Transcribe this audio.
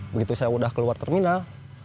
begitu saya sudah keluar terminal